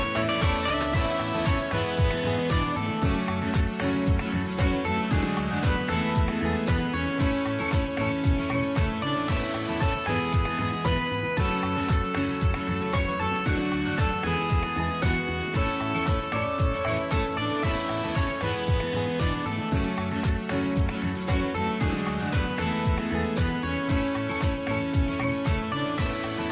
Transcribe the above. โปรดติดตามตอนต่อไป